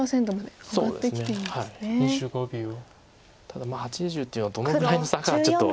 ただ８０っていうのはどのぐらいの差かはちょっと。